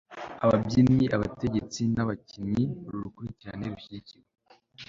ababyinnyi, abatetsi, nabakinnyi. uru rukurikirane rushyigikiwe